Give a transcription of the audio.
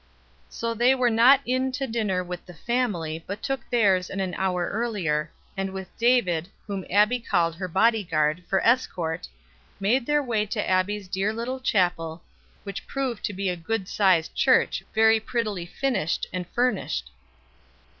So they were not in to dinner with the family, but took theirs an hour earlier; and with David, whom Abbie called her body guard, for escort, made their way to Abbie's dear little chapel, which proved to be a good sized church, very prettily finished and furnished.